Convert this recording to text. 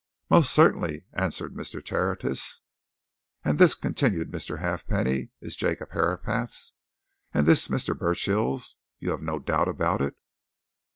"Most certainly!" answered Mr. Tertius. "And this," continued Mr. Halfpenny, "is Jacob Herapath's? and this Mr. Burchill's? You have no doubt about it?"